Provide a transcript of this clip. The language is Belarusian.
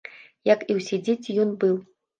Як і ўсе дзеці ён быў.